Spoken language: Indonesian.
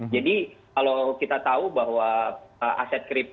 jadi kalau kita tahu bahwa aset kripto